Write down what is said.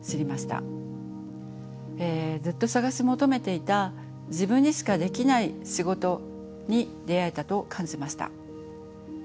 ずっと探し求めていた自分にしかできない仕事に出会えたと感じました。